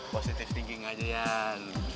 positif thinking aja ian